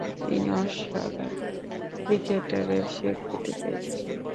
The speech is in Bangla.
তিনি অসাধারণ ক্রিকেটারের স্বীকৃতি পেয়েছিলেন।